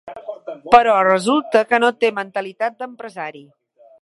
Però resulta que no té mentalitat d'empresari.